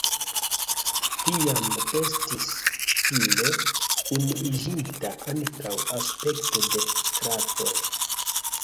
Tiam estis stile unuiĝinta ankaŭ aspekto de stratoj.